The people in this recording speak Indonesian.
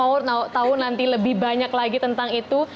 mau tahu nanti lebih banyak lagi tentang itu